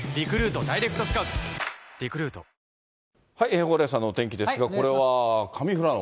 蓬莱さんのお天気ですが、これは上富良野。